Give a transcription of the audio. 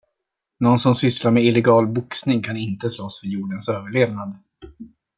Nån som sysslar med illegal boxning kan inte slåss för jordens överlevnad.